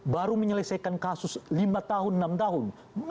baru menyelesaikan kasus lima tahun enam tahun